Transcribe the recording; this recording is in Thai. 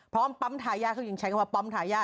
พร้อมปั๊มถาญาเขาจึงใช้คำนึงว่าปั๊มถาญา